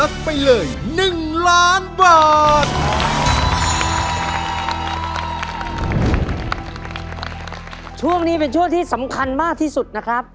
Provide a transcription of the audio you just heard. สำคัญที่สำคัญมากที่สุดนะครับ